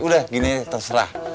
udah gini terserah